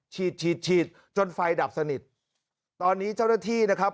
ฉีดฉีดฉีดจนไฟดับสนิทตอนนี้เจ้าหน้าที่นะครับ